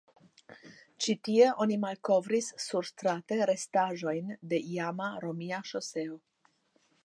Ĉi tie oni malkovris surstrate restaĵojn de iama romia ŝoseo.